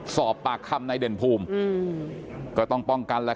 นายเด่นพูมก็ต้องป้องกัน